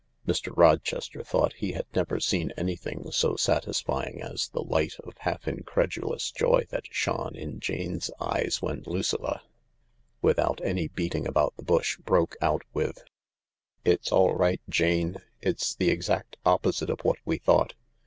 Mr. Rochester thought he had never seen anything so satisfying as the light of half incredulous joy that shone in Jane's eyes when Lucilla — without any beating about the bush — broke out with: " It's all right, Jane. It's the exact opposite of what we thought.